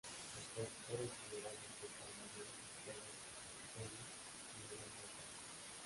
Los productores generales son Juan Manuel Ortega Riquelme y Yolanda Ocampo.